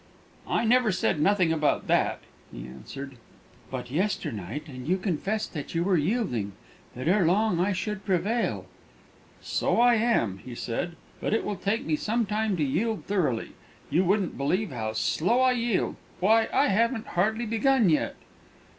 "I never said nothing about that," he answered. "But yesternight and you confessed that you were yielding that ere long I should prevail." "So I am," he said; "but it will take me some time to yield thoroughly. You wouldn't believe how slow I yield; why, I haven't hardly begun yet!"